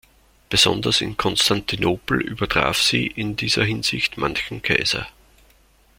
Besonders in Konstantinopel übertraf sie in dieser Hinsicht manchen Kaiser.